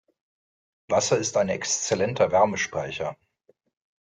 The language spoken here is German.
Wasser ist ein exzellenter Wärmespeicher.